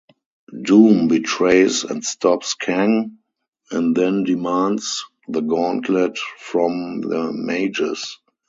Doom betrays and stops Kang, and then demands the Gauntlet from the Magus.